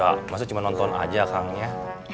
ya maksudnya cuma nonton aja kang ya